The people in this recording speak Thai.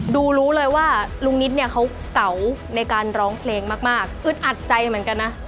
รู้เลยว่าลุงนิดเนี่ยเขาเก๋าในการร้องเพลงมากอึดอัดใจเหมือนกันนะ